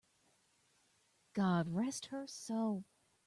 God rest her soul!